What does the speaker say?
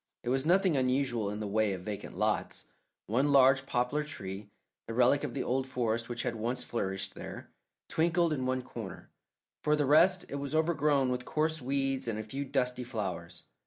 It was nothing unusual in the way of vacant lots. One large poplar tree, the relic of the old forest which had once flourished there, twinkled in one corner; for the rest, it was overgrown with coarse weeds and a few dusty flowers.